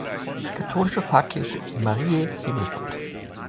Katholische Pfarrkirche Mariä Himmelfahrt.